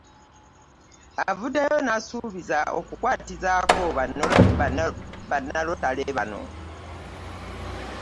Avuddeyo n'asuubiza okukwatizaako bannalotale bano.